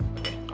terima kasih bro